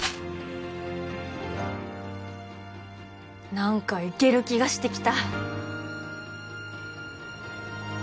何かいける気がしてきた。